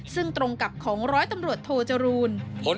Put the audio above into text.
ซึ่งตรงกับของร้อยตำรวจโทจรูล